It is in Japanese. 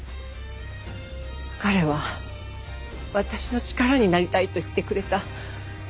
彼は私の力になりたいと言ってくれた。